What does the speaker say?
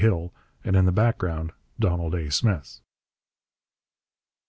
Hill, and in the background, Donald A. Smith.